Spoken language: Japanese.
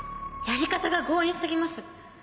やり方が強引過ぎます！